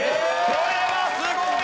これはすごい！